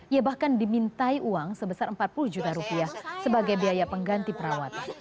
ia bahkan dimintai uang sebesar empat puluh juta rupiah sebagai biaya pengganti perawat